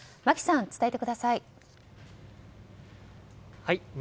牧さん、伝えてください。